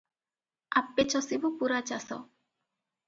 "ଆପେ ଚଷିବୁ ପୂରା ଚାଷ